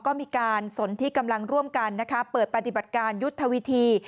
ก็มีการสนที่กำลังร่วมกันนะคะเปิดปฏิบัติการยุทธวิธี